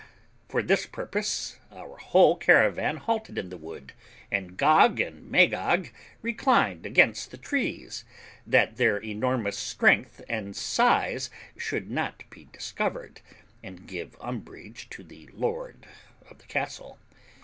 For this purpose our whole caravan halted in the wood, and Gog and Magog reclined amongst the trees, that their enormous strength and size should not be discovered, and give umbrage to the lord of the castle.